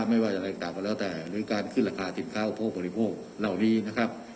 ไม่ว่าจะกลับตัวแล้วแต่โดยการขึ้นราคาสินค้าอพพกฎิโพกเหล่านี้นะครับ